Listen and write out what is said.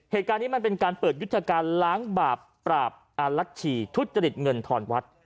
เหตุการณ์นี้มันเป็นการเปิดยุทธการล้างบาปปราบอาลัชชีทุจริตเงินทอนวัด